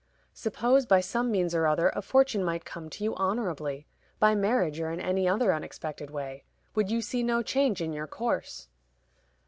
"Suppose, by some means or other, a fortune might come to you honorably by marriage, or in any other unexpected way would you see no change in your course?"